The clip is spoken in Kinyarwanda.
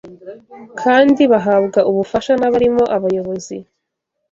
kandi bahabwa ubufasha n’abarimo abayobozi